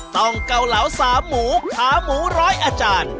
เกาเหลาสามหมูขาหมูร้อยอาจารย์